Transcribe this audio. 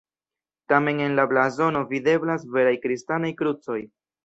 Tamen en la blazono videblas veraj kristanaj krucoj.